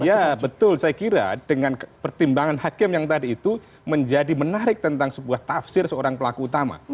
ya betul saya kira dengan pertimbangan hakim yang tadi itu menjadi menarik tentang sebuah tafsir seorang pelaku utama